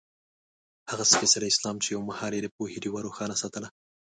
هغه سپېڅلی اسلام چې یو مهال یې د پوهې ډېوه روښانه ساتله.